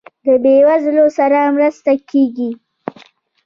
د بیوزلو سره مرسته کیږي؟